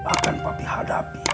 akan papi hadapi